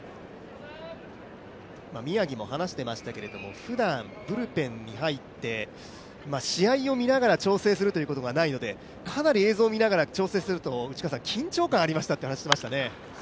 宮城も話していましたけれども、ふだんブルペンに入って試合を見ながら調整するということがないのでかなり映像見ながら調整すると、緊張感ありましたと話ありましたね。